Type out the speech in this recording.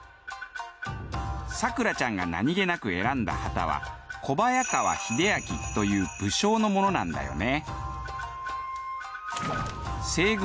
咲楽ちゃんが何気なく選んだ旗は小早川秀秋という武将のものなんだよね。